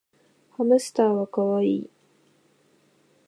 ハムスターはかわいい